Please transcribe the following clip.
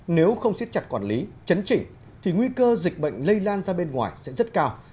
nếu không siết chặt quản lý chấn chỉnh thì nguy cơ dịch bệnh lây lan ra bên ngoài sẽ rất cao